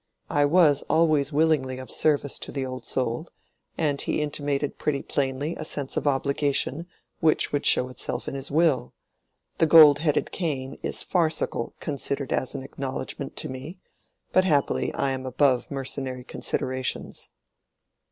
I was always willingly of service to the old soul; and he intimated pretty plainly a sense of obligation which would show itself in his will. The gold headed cane is farcical considered as an acknowledgment to me; but happily I am above mercenary considerations."